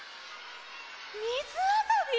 みずあそび？